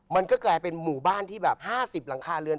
มันก็กลายเป็นหมู่บ้านที่แบบ๕๐หลังคาเรือน